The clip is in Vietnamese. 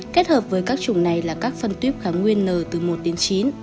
kết hợp với các chủng này là các phân tuyếp kháng nguyên n từ một đến chín